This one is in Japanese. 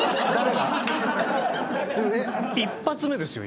一発目ですよ